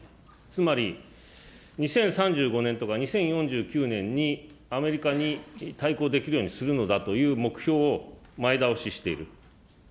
つまり２０３５年とか２０４９年にアメリカに対抗できるようにするのだという目標を前倒ししている。